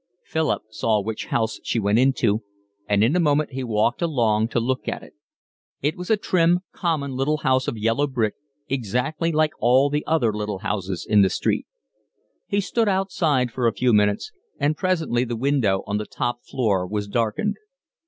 Philip saw which house she went into, and in a moment he walked along to look at it. It was a trim, common little house of yellow brick, exactly like all the other little houses in the street. He stood outside for a few minutes, and presently the window on the top floor was darkened.